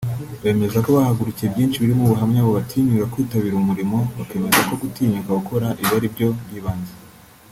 bemeza ko bahungukiye byinshi birimo ubuhamya bubatinyura kwitabira umurimo bakemeza ko gutinyuka gukora ibaribyo by’ibanze